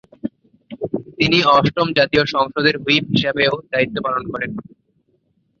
তিনি অষ্টম জাতীয় সংসদের হুইপ হিসাবেও দায়িত্ব পালন করেন।